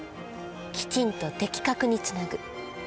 きちんと的確につなぐ。